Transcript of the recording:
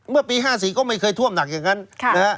เมื่อปี๕๔ก็ไม่เคยท่วมหนักอย่างนั้นนะฮะ